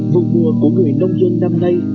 vùng mùa của người nông dân năm nay